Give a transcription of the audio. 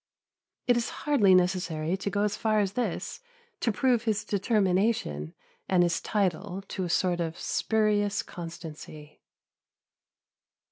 It is hardly necessary to go as far as this to prove his determination and his title to a sort of spurious constancy.